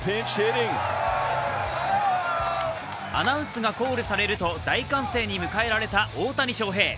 アナウンスがコールされると大歓声に迎えられた大谷翔平。